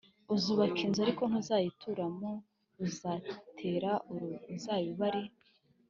uzubaka inzu ariko ntuzayituramo uzatera uruzabibu ari